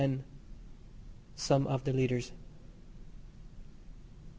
SOME OF THE LEADERS.